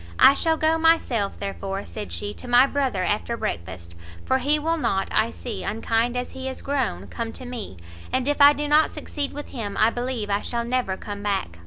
"I shall go myself, therefore," said she, "to my brother after breakfast, for he will not, I see, unkind as he is grown, come to me; and if I do not succeed with him, I believe I shall never come back!"